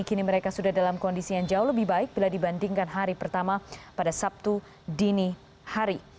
kini mereka sudah dalam kondisi yang jauh lebih baik bila dibandingkan hari pertama pada sabtu dini hari